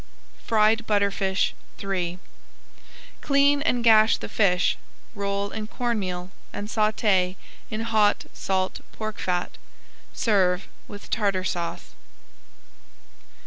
FRIED BUTTERFISH III Clean and gash the fish, roll in corn meal and sauté in hot salt pork fat. Serve with Tartar Sauce.